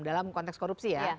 dalam konteks korupsi ya